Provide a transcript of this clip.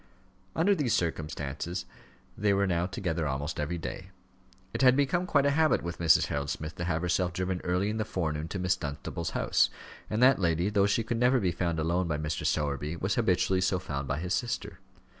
Under these circumstances they were now together almost every day. It had become quite a habit with Mrs. Harold Smith to have herself driven early in the forenoon to Miss Dunstable's house; and that lady, though she could never be found alone by Mr. Sowerby, was habitually so found by his sister.